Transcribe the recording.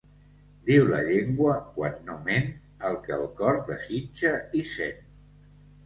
Diu la llengua, quan no ment, el que el cor desitja i sent.